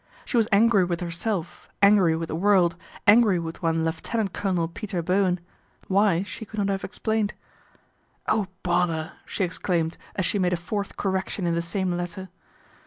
She was angry with herself, angry with the world, angry with one Lieutenant Colonel Peter Bowen. Why, she could not have explained. " Oh, bother !" she exclaimed, as she made a fourth correction in the same letter.